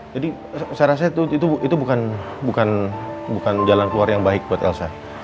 jadi saya rasa itu bukan jalan keluar yang baik buat elsa